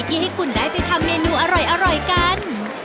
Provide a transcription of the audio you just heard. ที่ให้คุณได้ไปทำเมนูอร่อยกัน